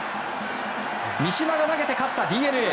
三嶋が投げて勝ったＤｅＮＡ。